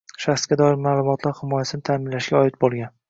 shaxsga doir ma’lumotlar himoyasini ta’minlashga oid bo‘lgan